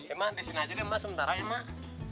emang di sini aja deh mas sementara ya mak